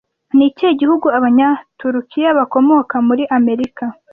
Ni ikihe gihugu Abanyaturukiya bakomoka muri Amerika